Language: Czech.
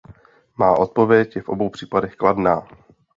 Má odpověď je v obou případech kladná.